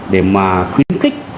để mà khuyến khích